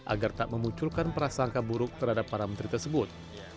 agar tak memunculkan perasaan keburuk terhadap para menteri tersebut